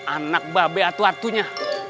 anak babe atu atunya